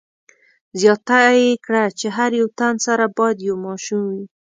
زیاته یې کړه چې هر یو تن سره باید یو ماشوم وي.